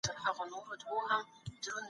کمپيوټر پوهنه د پرېکړې کولو پروسه اسانه کوي.